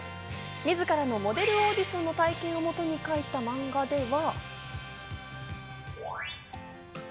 自らのモデルオーディションの体験をもとに書いた漫画では。